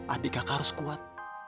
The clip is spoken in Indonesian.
adik kakak harus kuat